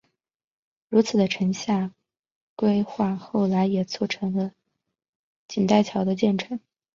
如此的城下町规划后来也促成了锦带桥的建成。